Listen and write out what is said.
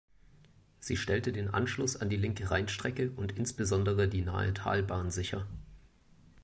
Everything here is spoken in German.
Sie stellte den Anschluss an die linke Rheinstrecke und insbesondere die Nahetalbahn sicher.